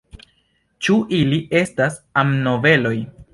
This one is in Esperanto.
Ĉu ili estas amnoveloj?